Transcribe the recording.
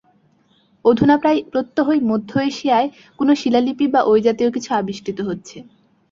অধুনা প্রায় প্রত্যহই মধ্য এশিয়ায় কোন শিলালিপি বা ঐ-জাতীয় কিছু আবিষ্কৃত হচ্ছে।